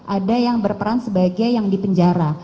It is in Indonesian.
ada yang berperan sebagai yang di penjara